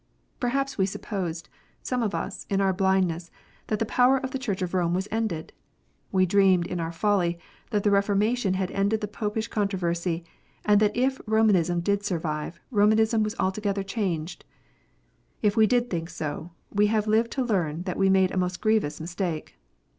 Perhaps we supposed, some of us, in our blindness, that the power of the Church of Rome was ended. We dreamed, in our folly, that the Reformation had ended the Popish contro versy, and that if Romanism did survive, Romanism was altogether changed. If we did think so, we have lived to learn that we made a most grievous mistake.